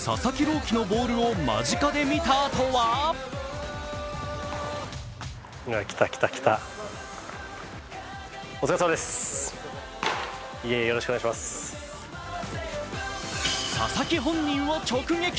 希のボールを間近で見たあとは佐々木本人を直撃。